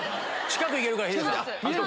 近く行けるから。